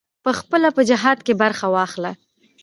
پخپله په جهاد کې برخه واخله.